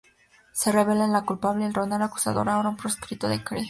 Se revela que el culpable es Ronan el Acusador, ahora un proscrito de Kree.